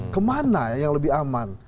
kemana yang lebih aman